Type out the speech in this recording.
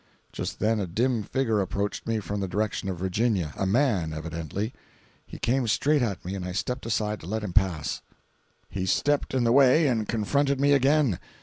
Just then a dim figure approached me from the direction of Virginia—a man, evidently. He came straight at me, and I stepped aside to let him pass; he stepped in the way and confronted me again.